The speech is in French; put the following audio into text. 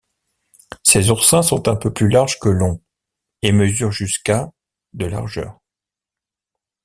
Ces oursins sont un peu plus larges que longs, et mesurent jusqu'à de largeur.